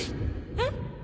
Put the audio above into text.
えっ？